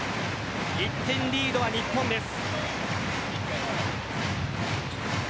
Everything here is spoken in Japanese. １点リードは日本です。